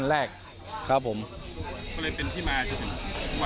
ก็เลยเป็นที่มาทุกวัน